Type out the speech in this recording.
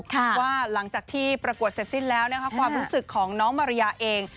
ว่าหลังจากที่ประกวดเสร็จสิ้นแล้วนะคะความรู้สึกของน้องมาริยาเอง